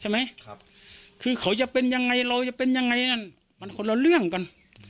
มันคนเราเลื่อนกัน